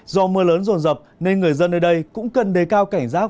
do mưa lớn rồn rập nên người dân ở đây cũng cần đề cao cảnh rác